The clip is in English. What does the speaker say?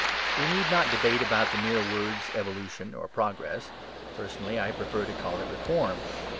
We need not debate about the mere words evolution or progress: personally I prefer to call it reform.